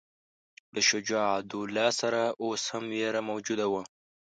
له شجاع الدوله سره اوس هم وېره موجوده وه.